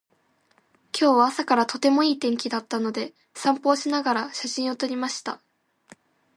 今日は朝からとてもいい天気だったので、散歩をしながら写真を撮りました。